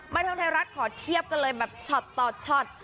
เทิงไทยรัฐขอเทียบกันเลยแบบช็อตต่อช็อต